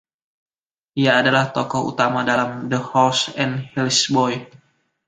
Ia adalah tokoh utama dalam "The Horse and His Boy".